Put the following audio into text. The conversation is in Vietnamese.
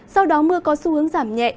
sau đó mưa có xu hướng giảm nhẹ